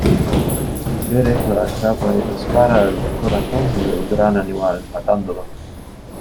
Derek la atrapa y dispara al corazón del Gran animal, matándolo.